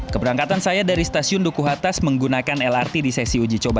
keberangkatan saya dari stasiun dukuh atas menggunakan lrt di sesi uji coba